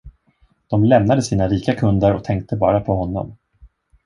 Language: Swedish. De lämnade sina rika kunder och tänkte bara på honom.